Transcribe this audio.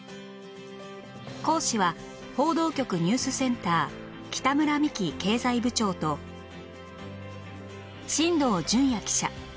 講師は報道局ニュースセンター北村美紀経済部長と進藤潤耶記者